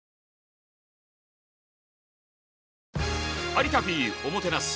「有田Ｐおもてなす」。